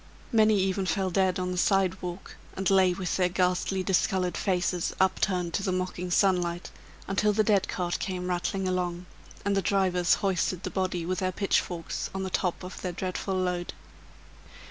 Many even fell dead on the sidewalk, and lay with their ghastly, discolored faces, upturned to the mocking sunlight, until the dead cart came rattling along, and the drivers hoisted the body with their pitchforks on the top of their dreadful load.